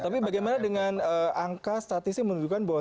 tapi bagaimana dengan angka statistik menunjukkan bahwa